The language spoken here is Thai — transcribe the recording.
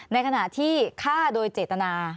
ในขณะที่ฆ่าโดยเจตนา